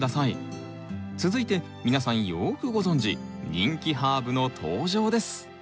続いて皆さんよくご存じ人気ハーブの登場です！